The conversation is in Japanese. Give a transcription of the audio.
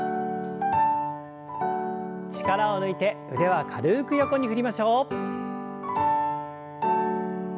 力を抜いて腕は軽く横に振りましょう。